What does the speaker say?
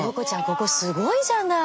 ここすごいじゃない。